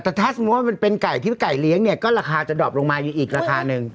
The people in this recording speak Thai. แต่ถ้าสมมุติว่ามันเป็นไก่ที่พี่ไก่เลี้ยงเนี่ยก็ราคาจะดอบลงมาอยู่อีกราคาหนึ่ง